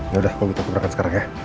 ya udah aku gitu ke perangkat sekarang ya